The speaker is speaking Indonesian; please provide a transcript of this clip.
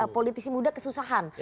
politisi muda kesusahan